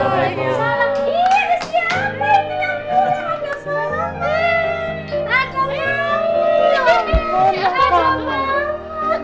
iya ada siapa itu yang ngeliat